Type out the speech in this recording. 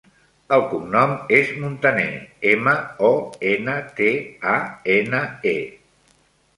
El cognom és Montane: ema, o, ena, te, a, ena, e.